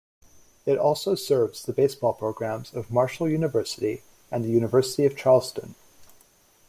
It also serves the baseball programs of Marshall University, and the University of Charleston.